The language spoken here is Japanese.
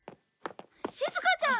しずかちゃん！